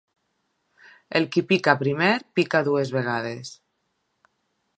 El qui pica primer, pica dues vegades.